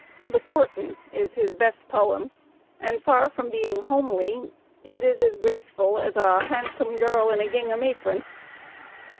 "The Courtin'" is his best poem, and far from being "homely," it is as graceful as a "hahnsome" girl in a gingham apron.